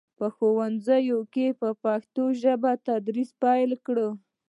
په ښوونځیو کې یې په پښتو تدریس پیل کړ.